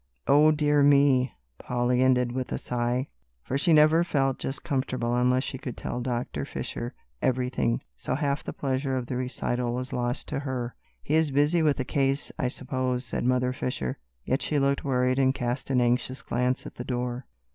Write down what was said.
"O dear me!" Polly ended with a sigh, for she never felt just comfortable unless she could tell Doctor Fisher everything, so half the pleasure of the recital was lost to her. "He is busy with a case, I suppose," said Mother Fisher, yet she looked worried and cast an anxious glance at the door.